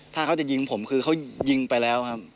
ถ้าเขาจะยิงผมคือเขายิงไปแล้วครับ